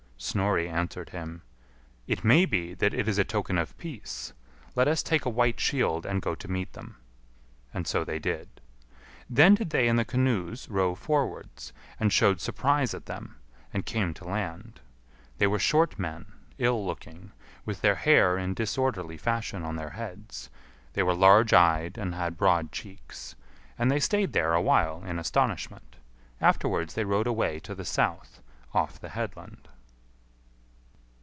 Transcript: Snorri answered him, "It may be that it is a token of peace; let us take a white shield and go to meet them." And so they did. Then did they in the canoes row forwards, and showed surprise at them, and came to land. They were short men, ill looking, with their hair in disorderly fashion on their heads; they were large eyed, and had broad cheeks. And they stayed there awhile in astonishment. Afterwards they rowed away to the south, off the headland.